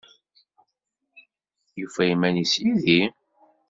Yufa iman-is yid-i?